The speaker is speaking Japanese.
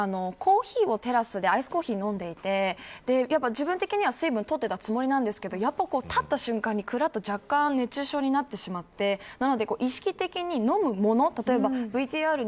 私も以前、コーヒーをテラスで飲んでいて自分的には水分をとっていたつもりなんですけどやっぱり立った瞬間にくらっと若干熱中症になってしまってなので、意識的に飲むもの